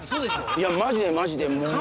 いやマジでマジで！